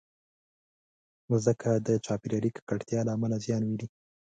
مځکه د چاپېریالي ککړتیا له امله زیان ویني.